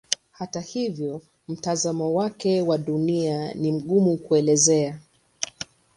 Hata hivyo mtazamo wake wa Dunia ni mgumu kuelezea.